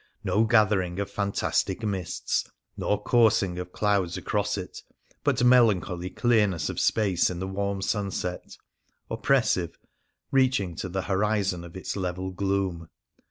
... No gathering of fantastic mists, nor coursing of clouds across it ; but melan choly clearness of space in the warm sunset, oppressive, reaching to the horizon of its level ffloom.